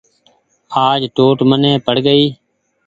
آج ٽوٽ مني پڙ گئي